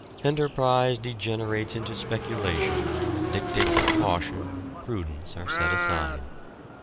Enterprise degenerates into speculation when the dictates of caution and prudence are set aside.